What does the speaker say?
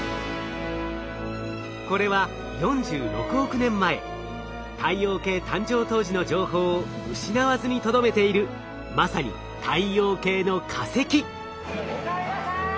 これは４６億年前太陽系誕生当時の情報を失わずにとどめているまさにおかえりなさい！